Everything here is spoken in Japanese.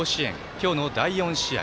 今日の第４試合。